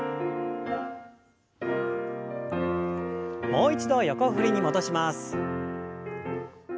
もう一度横振りに戻します。